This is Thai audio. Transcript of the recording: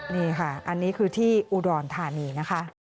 นี่ค่ะอันนี้คือที่อุดรธานีนะคะ